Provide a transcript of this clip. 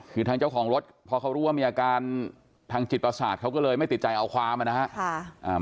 คือทางเจ้าของรถพอเขารู้ว่ามีอาการทางจิตประสาทเขาก็เลยไม่ติดใจเอาความนะครับ